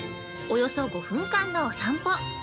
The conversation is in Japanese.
およそ５分間のお散歩。